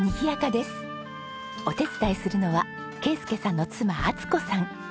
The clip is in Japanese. お手伝いするのは圭祐さんの妻淳子さん。